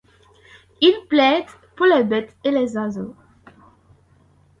Il plaide pour les bêtes et les oiseaux.